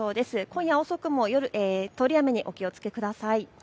今夜遅くも通り雨にお気をつけください。